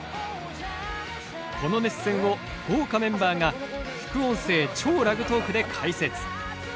この熱戦を豪華メンバーが副音声、超ラグトークで解説。